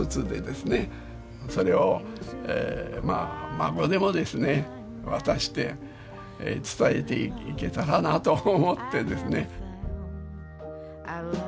それをまあ孫でもですね渡して伝えていけたらなと思ってですね。